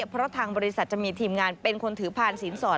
เพราะทางบริษัทจะมีทีมงานเป็นคนถือผ่านสินสอด